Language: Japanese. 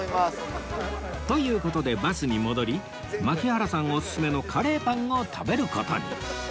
という事でバスに戻り槙原さんおすすめのカレーパンを食べる事に